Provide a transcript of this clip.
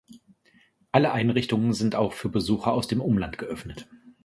Alle Einrichtungen sind auch für Besucher aus dem Umland geöffnet.